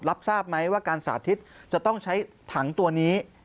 รับทราบไหมว่าการสาธิตจะต้องใช้ถังตัวนี้